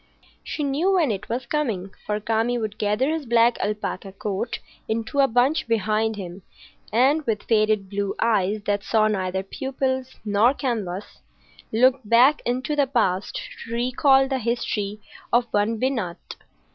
She knew when it was coming; for Kami would gather his black alpaca coat into a bunch behind him, and, with faded blue eyes that saw neither pupils nor canvas, look back into the past to recall the history of one Binat.